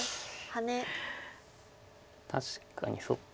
確かにそっか。